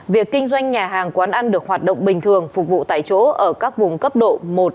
việc kinh doanh nhà hàng quán ăn được hoạt động bình thường phục vụ tại chỗ ở các vùng cấp độ một